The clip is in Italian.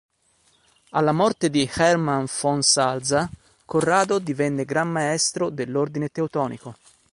Alla morte di Hermann von Salza, Corrado divenne Gran Maestro dell'Ordine Teutonico.